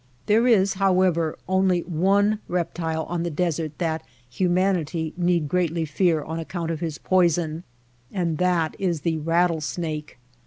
There is, however, only one reptile on the desert that humanity need greatly fear on ac count of his poison and that is the rattlesnake.